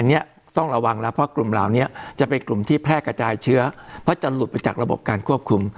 อันนี้ต้องระวังแล้วเพราะกลุ่มเหล่านี้จะเป็นกลุ่มที่แพร่กระจายเชื้อเพราะจะหลุดไปจากระบบการควบคุม